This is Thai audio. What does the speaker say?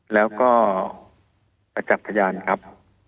แล้วก็ประจักษ์พยานครับ